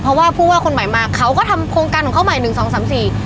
เพราะว่าผู้ว่าคนใหม่มาเขาก็ทำโครงการของเขาใหม่หนึ่งสองสามสี่